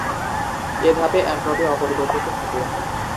এ ধাপে এনট্রপি অপরিবর্তিত থাকে।